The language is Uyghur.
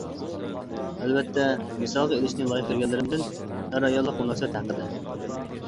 ئەلۋەتتە، مىسالغا ئىلىشنى لايىق كۆرگەنلىرىمدىن:-ئەر-ئاياللىق مۇناسىۋەت ھەققىدە.